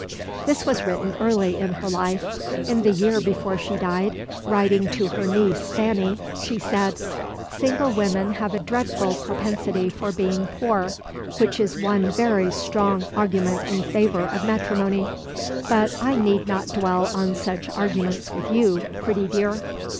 This was written early in her life. In the year before she died, writing to her niece Fanny, she said: "Single women have a dreadful propensity for being poor, which is one very strong argument in favour of matrimony, but I need not dwell on such arguments with you, pretty dear."